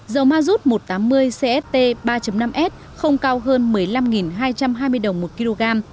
dầu ma rút một trăm tám mươi cst ba năm s không cao hơn một mươi năm hai trăm hai mươi đồng một kg